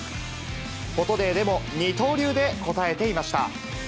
フォトデーでも二刀流で応えていました。